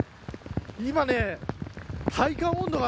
今ね、体感温度が。